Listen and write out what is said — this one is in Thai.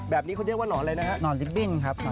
แบบนี้เขาเรียกว่านอนอะไรนะครับครูต้นนอนลิฟต์บิ้นครับ